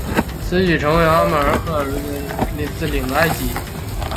此举促成阿马尔里克和谢尔库赫将两者的军队各自领出埃及。